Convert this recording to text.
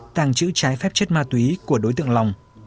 tạng chữ trái phép chất ma túy của đối tượng lòng